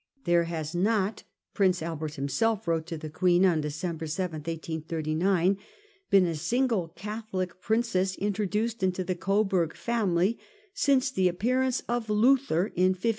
' There has not,' Prince Albert himself wrote to the Queen on December 7, 1839, ' been a single Catholic princess introduced into the Coburg family since the appearance of Luther in 1521.